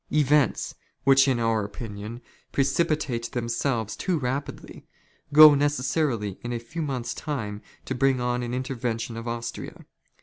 " Events, which in our opinion, precipitate themselves too " rapidly, go necessarily in a few months' time to bring on an " intervention of Austria.